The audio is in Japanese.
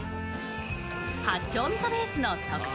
八丁みそベースの特製